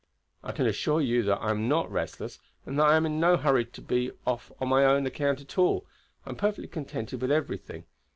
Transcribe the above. "I can assure you that I am not restless, and that I am in no hurry at all to be off on my own account. I am perfectly contented with everything.